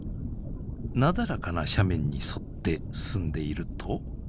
なだらかな斜面に沿って進んでいると。